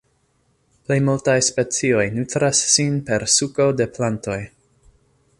Plej multaj specioj nutras sin per suko de plantoj.